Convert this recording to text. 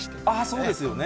そうですよね。